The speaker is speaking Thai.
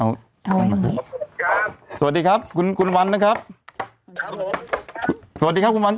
เอาไว้อย่างงี้สวัสดีครับคุณคุณวันนะครับสวัสดีครับคุณวัน